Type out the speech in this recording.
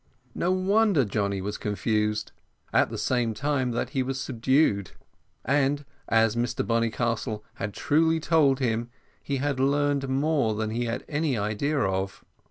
No wonder Johnny was confused; at the same time that he was subdued; and, as Mr Bonnycastle had truly told him, he had learned more than he had any idea of.